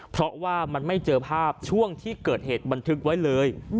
เพราะว่ามันไม่เจอภาพช่วงที่เกิดเหตุบันทึกไว้เลย